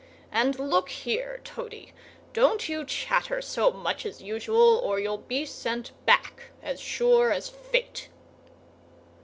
And look here, Toady! Don't you chatter so much as usual, or you'll be sent back, as sure as fate!"